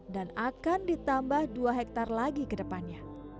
dan akan ditambah dua hektare lagi ke depannya